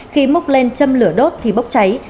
khi múc lên châm lửa đốt thì bốc cháy